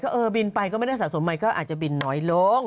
เออบินไปก็ไม่ได้สะสมใหม่ก็อาจจะบินน้อยลง